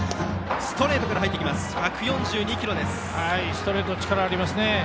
ストレート力がありますね。